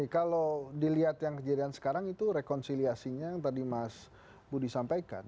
kalau dilihat yang kejadian sekarang itu rekonsiliasinya yang tadi mas budi sampaikan